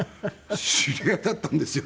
知り合いだったんですよ